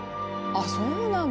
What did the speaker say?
そうなんだ。